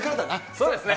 そうですね。